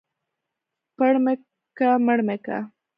ـ پړ مى که مړ مى که.